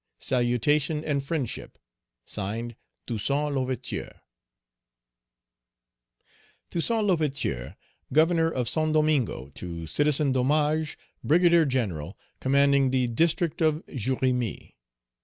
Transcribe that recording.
"Salutation and Friendship, (Signed) "TOUSSAINT L'OUVERTURE." "Toussaint L'Ouverture, Governor of Saint Domingo, to Citizen Domage, Brigadier General, commanding the district of Jérémie.